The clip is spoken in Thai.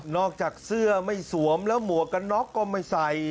อกจากเสื้อไม่สวมแล้วหมวกกันน็อกก็ไม่ใส่